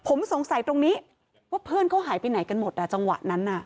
ผมสงสัยตรงนี้ว่าเพื่อนเขาหายไปไหนกันหมดอ่ะจังหวะนั้นน่ะ